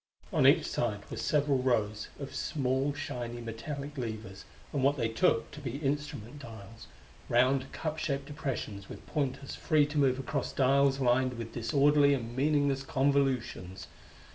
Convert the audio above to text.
On each side were several rows of small, shiny, metallic levers and what they took to be instrument dials round, cup shaped depressions with pointers free to move across dials lined with disorderly and meaningless convolutions.